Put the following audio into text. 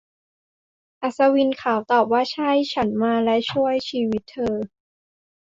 อัศวินขาวตอบว่า ใช่ ฉันมาและช่วยชีวิตเธอ